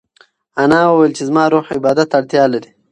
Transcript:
انا وویل چې زما روح عبادت ته اړتیا لري.